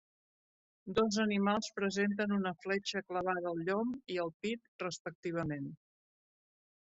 Dos animals presenten una fletxa clavada al llom i al pit respectivament.